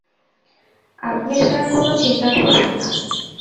আপনি স্যার কোনো চিন্তা করবেন না।